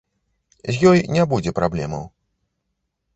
З ёй не будзе праблемаў.